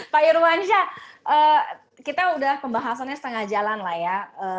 pak irwansyah kita udah pembahasannya setengah jalan lah ya